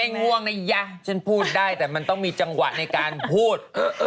ไม่มีอะไรง่วงนะเยอะฉันพูดได้แต่มันต้องมีจังหวะในการพูด